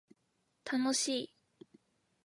楽しい